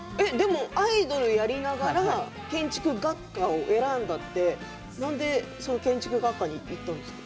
アイドルやりながら建築学科を選んだってなんで建築学科に行ったんですか。